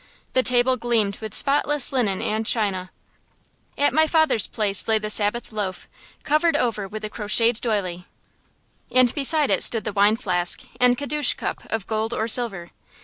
The table gleamed with spotless linen and china. At my father's place lay the Sabbath loaf, covered over with a crocheted doily; and beside it stood the wine flask and kiddush cup of gold or silver.